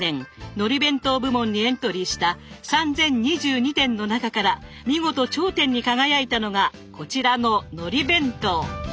のり弁当部門にエントリーした３，０２２点の中から見事頂点に輝いたのがこちらののり弁当。